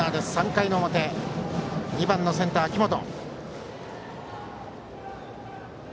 ３回の表２番センター、紀本。